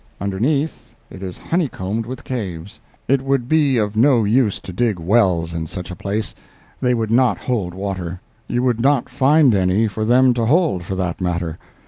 Underneath, it is honeycombed with caves; it would be of no use to dig wells in such a place; they would not hold water—you would not find any for them to hold, for that matter.